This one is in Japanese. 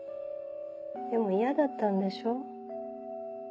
でも嫌だったんでしょ。